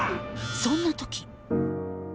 そんな時。